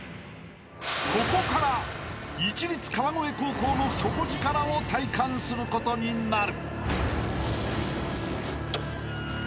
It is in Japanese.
［ここから市立川越高校の底力を体感することになる］